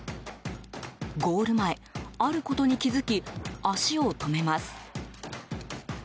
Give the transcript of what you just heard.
ゴール前、あることに気づき足を止めます。